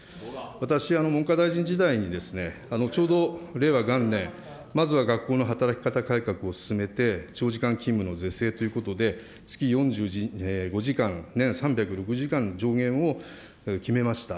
私、文科大臣時代にちょうど令和元年、まずは学校の働き方改革を進めて長時間勤務の是正ということで、月４５時間、年３０６時間、上限を決めました。